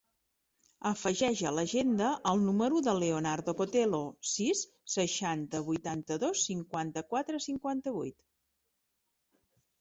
Afegeix a l'agenda el número del Leonardo Cotelo: sis, seixanta, vuitanta-dos, cinquanta-quatre, cinquanta-vuit.